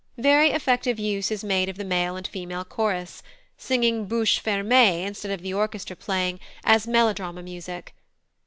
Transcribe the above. Very effective use is made of the male and female chorus, singing bouche fermée instead of the orchestra playing, as melodrama music.